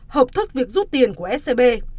hợp thức việc rút tiền của scb